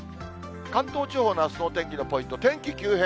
関東地方のあすのお天気のポイント、天気急変。